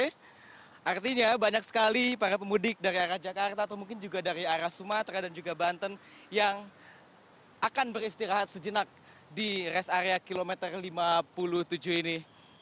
artinya banyak sekali para pemudik dari arah jakarta atau mungkin juga dari arah sumatera dan juga banten yang akan beristirahat sejenak di rest area kilometer lima puluh tujuh ini